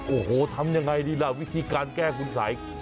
โอ้โหทำยังไงดีล่ะวิธีการแก้คุณสัย